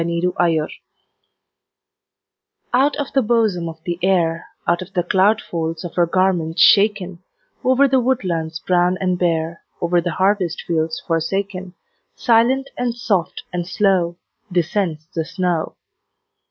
SNOW FLAKES Out of the bosom of the Air, Out of the cloud folds of her garments shaken, Over the woodlands brown and bare, Over the harvest fields forsaken, Silent, and soft, and slow Descends the snow.